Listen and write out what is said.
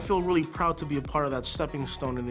mencari pengetahuan itu sangat gila